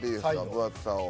分厚さを。